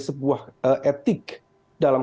sebuah etik dalam